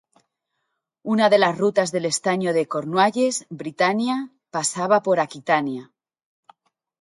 Una de las rutas del estaño de Cornualles, Britannia, pasaba por Aquitania.